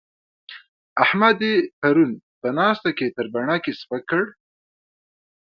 احمد يې پرون په ناسته کې تر بڼکې سپک کړ.